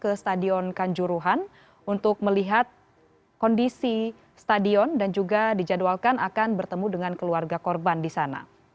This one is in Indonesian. ke stadion kanjuruhan untuk melihat kondisi stadion dan juga dijadwalkan akan bertemu dengan keluarga korban di sana